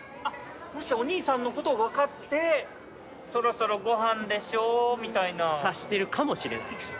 もしやお兄さんの事をわかって「そろそろご飯でしょ？」みたいな。察しているかもしれないです。